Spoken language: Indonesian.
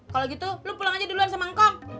kalau gitu lo pulang aja duluan sama ngkong